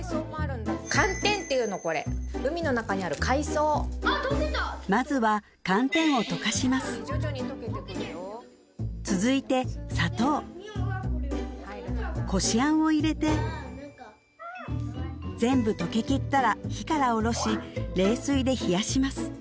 寒天っていうのこれ海の中にある海藻まずは寒天を溶かします徐々に溶けてくるよ続いて砂糖こしあんを入れて全部溶けきったら火からおろし冷水で冷やします